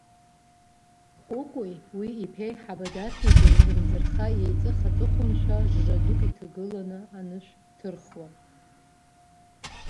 Кәыкәи уи иԥеиҳабы Даҭикәеи рымӡырха еиҵых аҵыхәаншәа жра дук иҭагыланы анышә ҭырхуан.